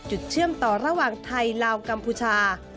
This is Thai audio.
เชื่อมต่อระหว่างไทยลาวกัมพูชา